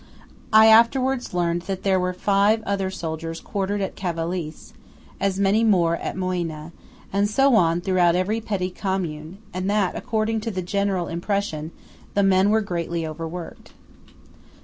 I afterwards learned that there were five other soldiers quartered at Cavalese, as many more at Moena, and so on throughout every petty commune; and that, according to the general impression, the men were greatly overworked.